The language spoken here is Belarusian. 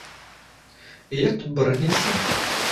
І як тут бараніцца?